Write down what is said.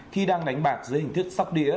khi đang đánh bạc dưới hình thức sóc đĩa